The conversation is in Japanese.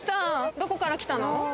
どこから来たの？